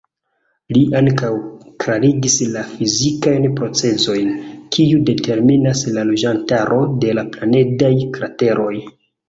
Li ankaŭ klarigis la fizikajn procezojn, kiu determinas la loĝantaro de planedaj krateroj.